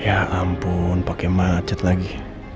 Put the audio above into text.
ya ampun pakai macet lagi